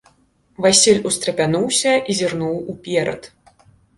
Васіль устрапянуўся і зірнуў уперад.